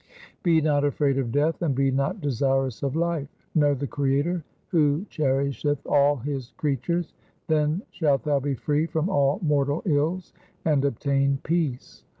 Be not afraid of death, and be not desirous of life. Know the Creator who cherisheth all His creatures ; then shalt thou be free from all mortal ills and obtain peace.'